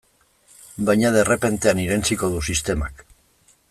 Baina derrepentean irentsiko du sistemak.